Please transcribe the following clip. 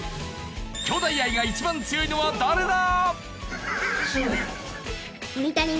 兄弟愛が一番強いのは誰だ？